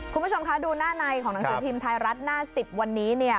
คุณผู้ชมคะดูหน้าในของหนังสือพิมพ์ไทยรัฐหน้า๑๐วันนี้เนี่ย